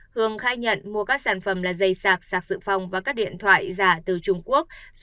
hường khai nhận mua các sản phẩm là dây sạc sạc sự phòng và các điện thoại giả từ trung quốc